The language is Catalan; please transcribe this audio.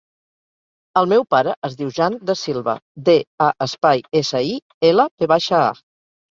El meu pare es diu Jan Da Silva: de, a, espai, essa, i, ela, ve baixa, a.